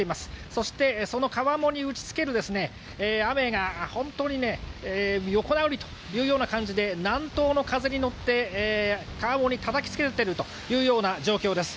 そして、その川面に打ちつける雨が本当に横殴りという感じで南東の風に乗って、川面にたたきつけている状況です。